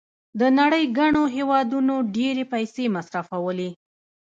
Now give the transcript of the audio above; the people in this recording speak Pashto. د نړۍ ګڼو هېوادونو ډېرې پیسې مصرفولې.